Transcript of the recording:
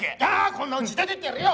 こんな家出ていってやるよ！